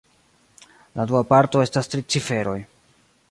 La dua parto estas tri ciferoj.